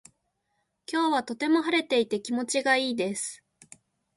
今日はとても晴れていて気持ちがいいです。